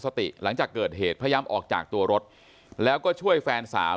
หลังจากเกิดเหตุพยายามออกจากตัวรถแล้วก็ช่วยแฟนสาว